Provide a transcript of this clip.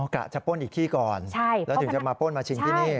กะจะป้นอีกที่ก่อนแล้วถึงจะมาป้นมาชิงที่นี่